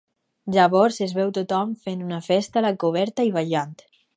Llavors es veu tothom fent una festa a la coberta i ballant.